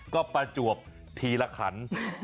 ก็ประจวบทีละขัน